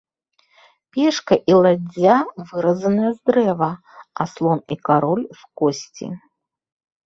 Пешка і ладдзя выразаны з дрэва, а слон і кароль з косці.